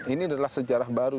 ini adalah sejarah baru